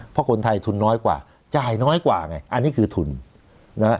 เพราะคนไทยทุนน้อยกว่าจ่ายน้อยกว่าไงอันนี้คือทุนนะฮะ